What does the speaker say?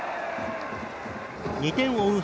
２点を追う